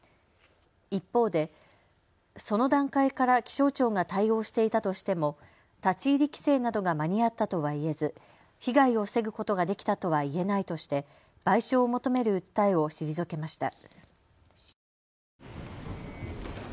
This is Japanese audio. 一方で、その段階から気象庁が対応していたとしても立ち入り規制などが間に合ったとは言えず被害を防ぐことができたとは言えないとして賠償を求める訴えを退けました。